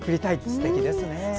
すてきですね。